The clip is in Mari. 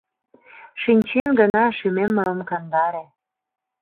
Шинчен гына шӱмем мый ом кандаре».